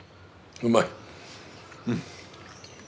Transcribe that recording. うまい。